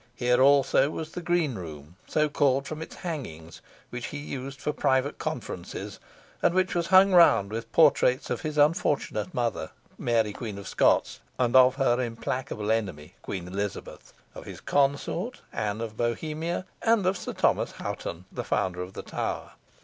Here also was the green room, so called from its hangings, which he used for private conferences, and which was hung round with portraits of his unfortunate mother, Mary, Queen of Scots; of her implacable enemy, Queen Elizabeth; of his consort, Anne of Bohemia: and of Sir Thomas Hoghton, the founder of the tower.